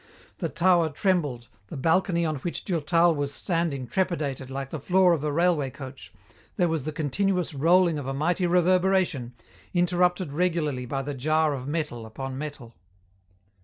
The tower trembled, the balcony on which Durtal was standing trepidated like the floor of a railway coach, there was the continuous rolling of a mighty reverberation, interrupted regularly by the jar of metal upon metal.